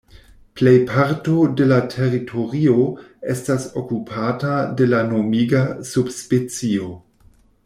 Plej parto de la teritorio estas okupata de la nomiga subspecio.